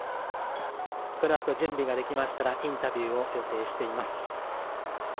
このあと準備ができましたらインタビューを予定しています。